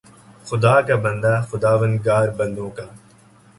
خدا کا بندہ، خداوندگار بندوں کا